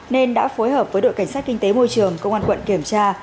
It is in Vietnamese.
nên đã phối hợp với đội cảnh sát kinh tế môi trường công an quận kiểm tra